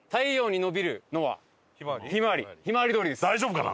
大丈夫かな？